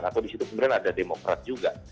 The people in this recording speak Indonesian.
atau di situ kemudian ada demokrat juga